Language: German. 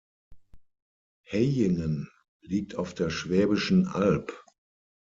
Hayingen liegt auf der Schwäbischen Alb.